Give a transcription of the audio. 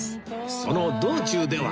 その道中では